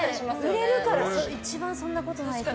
売れるから一番そんなことないと思う。